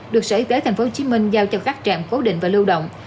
được sở y tế tp hcm giao cho các trạm cố định và lưu động